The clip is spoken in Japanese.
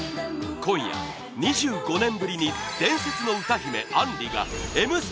今夜２５年ぶりに伝説の歌姫・杏里が「Ｍステ」